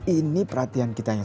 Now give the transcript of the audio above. ini perhatian kita yang